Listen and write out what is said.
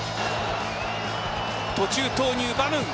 途中投入、バヌン。